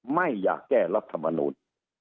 ไม่อยากแก้รัฐมนูล